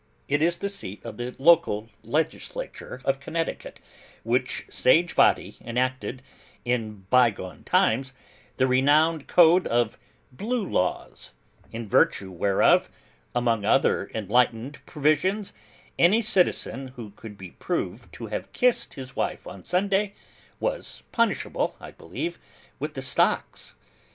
It is the seat of the local legislature of Connecticut, which sage body enacted, in bygone times, the renowned code of 'Blue Laws,' in virtue whereof, among other enlightened provisions, any citizen who could be proved to have kissed his wife on Sunday, was punishable, I believe, with the stocks.